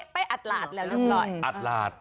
ไปอัตราสแล้วเรียบร้อย